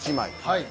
はい。